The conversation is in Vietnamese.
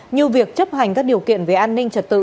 như việc chấp hành các điều kiện về an ninh trật tự